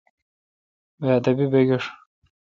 بادبی بگھیݭ۔